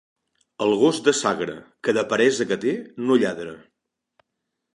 El gos de Sagra, que de peresa que té, no lladra.